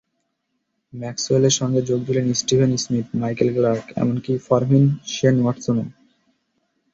ম্যাক্সওয়েলের সঙ্গে যোগ দিলেন স্টিভেন স্মিথ, মাইকেল ক্লার্ক এমনকি ফর্মহীন শেন ওয়াটসনও।